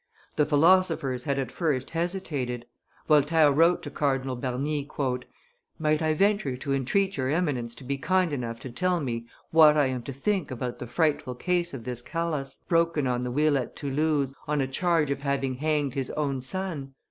The philosophers had at first hesitated. Voltaire wrote to Cardinal Bernis, "Might I venture to entreat your eminence to be kind enough to tell me what I am to think about the frightful case of this Calas, broken on the wheel at Toulouse, on a charge of having hanged his own son?